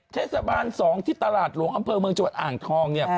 เทศบาล๒ที่ตลาดหลวงอำเภอเมืองจังหวัดอ่างทองเนี่ย